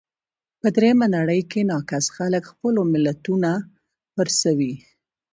په درېیمه نړۍ کې ناکس خلګ خپلو ملتو ته پړسوي.